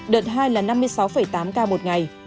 đợt hai là năm mươi sáu tám ca một ngày